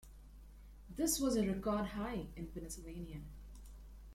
This was a record high in Pennsylvania.